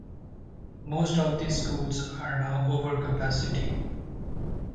Most of these schools are now over-capacity.